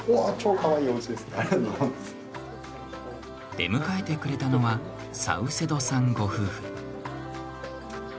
出迎えてくれたのはサウセドさんご夫婦。